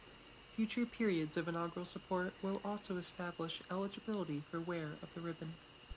Future periods of inaugural support will also establish eligibility for wear of the ribbon.